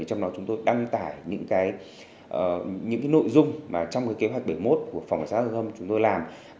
trong đó chúng tôi đăng tải những nội dung trong kế hoạch bảy mươi một của phòng xác giao thông chúng tôi làm